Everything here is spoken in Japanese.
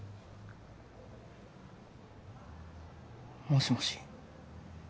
もしもし？